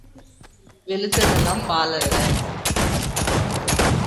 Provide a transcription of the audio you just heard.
வெளுத்ததெல்லாம் பாலல்ல.